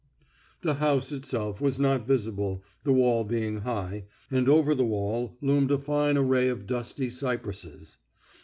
The house itself was not visible, the wall being high, and over the wall loomed a fine array of dusty cypresses.